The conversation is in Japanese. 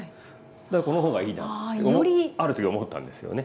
だからこの方がいいなある時思ったんですよね。